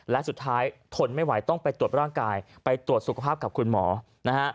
และสุดท้ายทนไม่ไหวต้องไปตรวจร่างกายไปตรวจสุขภาพกับคุณหมอนะฮะ